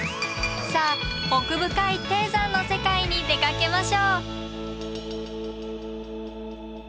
さあ奥深い低山の世界に出かけましょう！